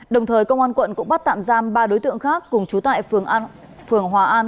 đồng thời công an quận cũng bắt tạm giam ba đối tượng khác cùng trú tại phường hòa an